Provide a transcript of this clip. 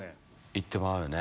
行ってまうよね。